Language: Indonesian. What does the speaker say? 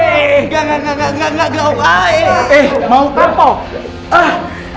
enggak enggak enggak enggak enggak enggak enggak enggak enggak